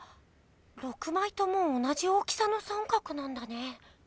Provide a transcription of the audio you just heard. ６まいとも同じ大きさの三角なんだね。